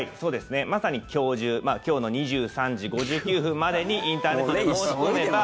まさに今日中今日の２３時５９分までにインターネットで申し込めば。